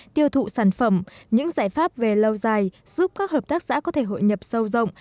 tiêu thụ sản phẩm những giải pháp về lâu dài giúp các hợp tác xã có thể hội nhập sâu rộng